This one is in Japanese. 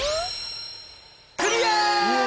クリア！